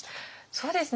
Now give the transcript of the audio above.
そうですね。